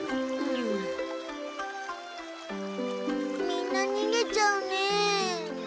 みんなにげちゃうね。